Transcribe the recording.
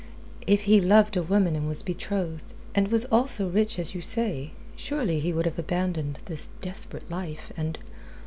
if he loved a woman and was betrothed, and was also rich as you say, surely he would have abandoned this desperate life, and..."